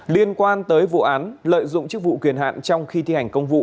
liên quan tới vụ án lợi dụng chức vụ quyền hạn trong khi thi hành công vụ